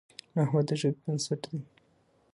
نحوه د ژبي بنسټ دئ.